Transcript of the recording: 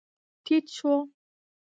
ټيټ شو.